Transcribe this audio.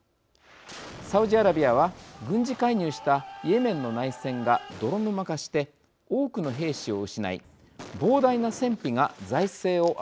サウジアラビアは軍事介入したイエメンの内戦が泥沼化して多くの兵士を失い膨大な戦費が財政を圧迫しています。